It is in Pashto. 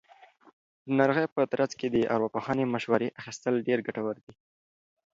د ناروغۍ په ترڅ کې د ارواپوهنې مشورې اخیستل ډېر ګټور دي.